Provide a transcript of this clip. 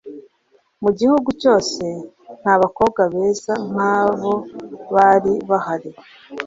mu gihugu cyose, nta bakobwa beza nk'abo bari bahari